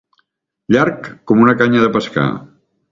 Llarg com una canya de pescar.